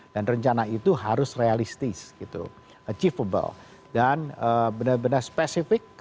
dan rencana itu harus realistis achievable dan benar benar spesifik